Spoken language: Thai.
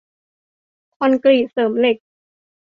คอนกรีตเสริมเหล็ก